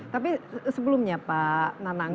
tapi sebelumnya pak nanang